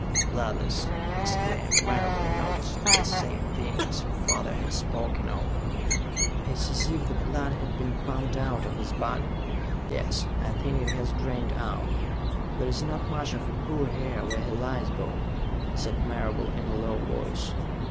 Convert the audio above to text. "Bloodless," exclaimed Marable, noticing the same thing as her father had spoken of. "It is as if the blood had been pumped out of his body!" "Yes, I think it has drained out." "There is not much of a pool here where he lies, though," said Marable, in a low voice.